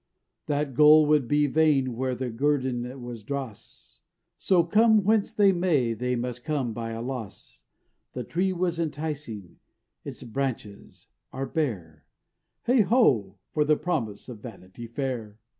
That goal would be vain where the guerdon was dross, So come whence they may they must come by a loss: The tree was enticing,—its branches are bare; Heigh ho! for the promise of Vanity Fair.